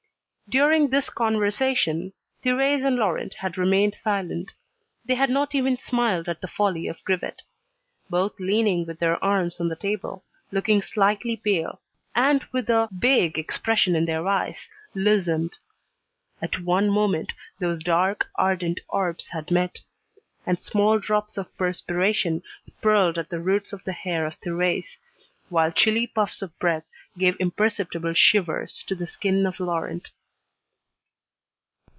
During this conversation, Thérèse and Laurent had remained silent. They had not even smiled at the folly of Grivet. Both leaning with their arms on the table, looking slightly pale, and with a vague expression in their eyes, listened. At one moment those dark, ardent orbs had met. And small drops of perspiration pearled at the roots of the hair of Thérèse, while chilly puffs of breath gave imperceptible shivers to the skin of Laurent.